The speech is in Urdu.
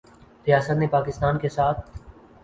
ریاست نے پاکستان کا ساتھ